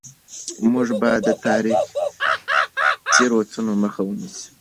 موږ باید د تاریخي تېروتنو مخه ونیسو.